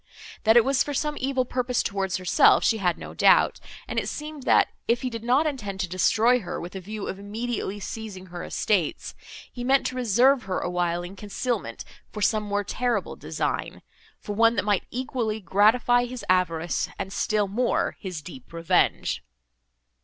That it was for some evil purpose towards herself, she could not doubt; and it seemed, that, if he did not intend to destroy her, with a view of immediately seizing her estates, he meant to reserve her a while in concealment, for some more terrible design, for one that might equally gratify his avarice and still more his deep revenge.